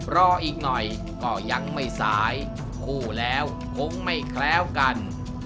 รออีกหน่อยก็ยังไม่สายคู่แล้วคงไม่แคล้วกัน